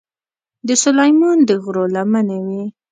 د سلیمان د غرو لمنې وې.